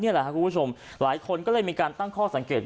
แหละครับคุณผู้ชมหลายคนก็เลยมีการตั้งข้อสังเกต